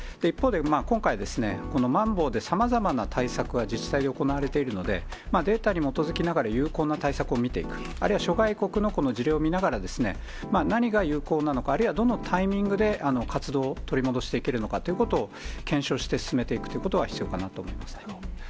一方で今回ですね、このまん防で、さまざまな対策が自治体で行われているので、データに基づきながら、有効な対策を見ていく、あるいは、諸外国のこの事例を見ながらですね、何が有効なのか、あるいは、どのタイミングで活動を取り戻していけるのかということを、検証して進めていくということは必要かなと思います。